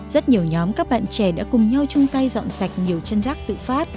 rất nhiều nhóm các bạn trẻ đã cùng nhau chung tay dọn sạch nhiều chân rác tự phát